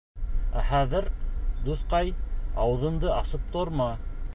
Ә хәҙер, дуҫҡай, ауыҙыңды асып торма.